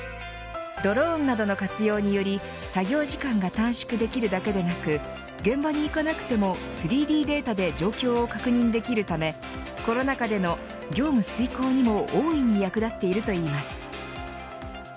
ドローンなどの活用により作業時間が短縮できるだけでなく現場に行かなくても３Ｄデータで状況を確認できるためコロナ禍での業務遂行にも大いに役立っているといいます。